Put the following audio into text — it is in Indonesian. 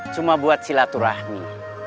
cuma buat silaturahmi